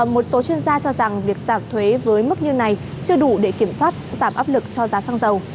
một số chuyên gia cho rằng việc giảm thuế với mức như này chưa đủ để kiểm soát giảm áp lực cho giá xăng dầu